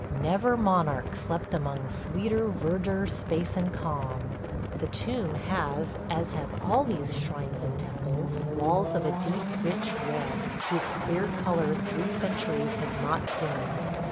... Never monarch slept among sweeter verdure, space, and calm. ... The tomb has, as have all these shrines and temples, walls of a deep rich red, whose clear color three centuries have not dimmed.